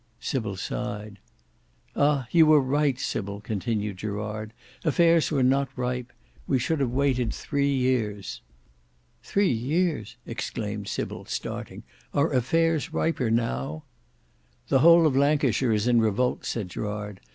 Sybil sighed. "Ah! you were right, Sybil," continued Gerard; "affairs were not ripe. We should have waited three years." "Three years!" exclaimed Sybil, starting; "are affairs riper now?" "The whole of Lancashire is in revolt," said Gerard.